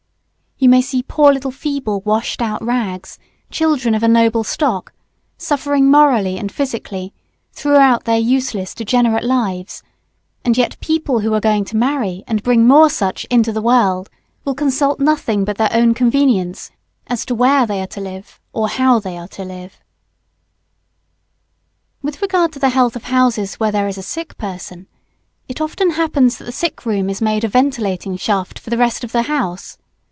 You may see poor little feeble washed out rags, children of a noble stock, suffering morally and physically, throughout their useless, degenerate lives, and yet people who are going to marry and to bring more such into the world, will consult nothing but their own convenience as to where they are to live, or how they are to live. [Sidenote: Don't make your sickroom into a ventilating shaft for the whole house.] With regard to the health of houses where there is a sick person, it often happens that the sick room is made a ventilating shaft for the rest of the house.